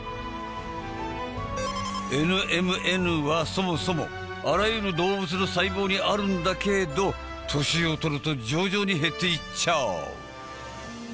ＮＭＮはそもそもあらゆる動物の細胞にあるんだけど年を取ると徐々に減っていっちゃう。